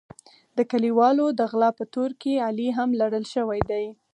د کلیوالو د غلا په تور کې علي هم لړل شوی دی.